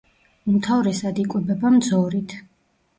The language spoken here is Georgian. უმთავრესად იკვებება მძორით.